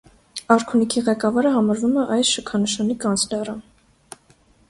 Արքունիքի ղեկավարը համարվում է այս շքանշանի կանցլերը։